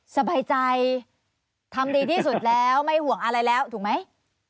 สบายใจทำดีที่สุดแล้วไม่ห่วงอะไรแล้วถูกไหม